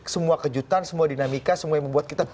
semua kejutan semua dinamika semua yang membuat kita